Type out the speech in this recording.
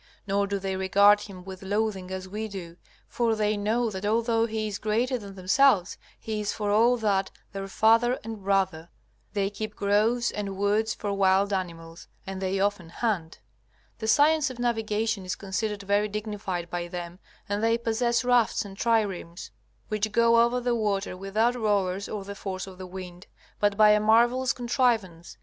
Nor do they regard him with loathing as we do, for they know that although he is greater than themselves, he is for all that their father and brother. They keep groves and woods for wild animals, and they often hunt. The science of navigation is considered very dignified by them, and they possess rafts and triremes, which go over the waters without rowers or the force of the wind, but by a marvellous contrivance.